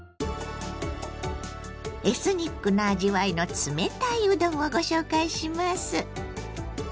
エスニックな味わいの冷たいうどんをご紹介します。